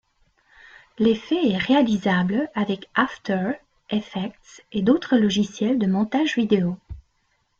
L'effet est réalisable avec After Effects et d'autres logiciels de montage vidéo.